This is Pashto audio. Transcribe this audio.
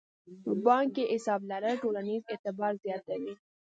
په بانک کې حساب لرل ټولنیز اعتبار زیاتوي.